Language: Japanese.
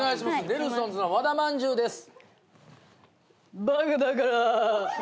ネルソンズの和田まんじゅうです。